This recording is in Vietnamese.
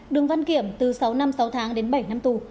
đường văn kiểm từ sáu năm sáu tháng đến bảy năm tù